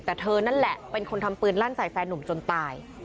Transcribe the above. แต่เธอนั่นแหละเป็นคนทำปืนลั่นใส่แฟนนุ่มจนตาย